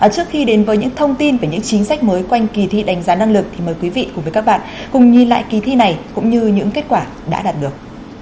trước khi đến với những thông tin về những chính sách mới quanh kỳ thi đánh giá năng lực thì mời quý vị cùng với các bạn cùng nhìn lại kỳ thi này cũng như những kết quả đã đạt được